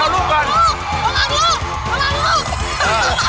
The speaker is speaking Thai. พรางลูกพรางลูก